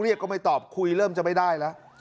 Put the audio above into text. ก็ไม่ตอบคุยเริ่มจะไม่ได้แล้ว